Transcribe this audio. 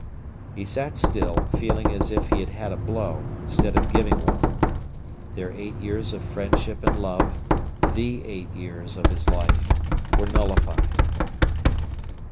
He sat still, feeling as if he had had a blow, instead of giving one. Their eight years of friendship and love, the eight years of his life, were nullified.